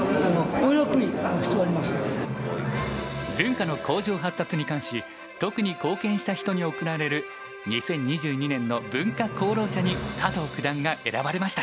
文化の向上発達に関し特に貢献した人に贈られる２０２２年の文化功労者に加藤九段が選ばれました。